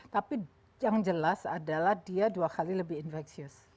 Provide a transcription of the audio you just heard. tapi yang jelas adalah dia dua kali lebih infeksius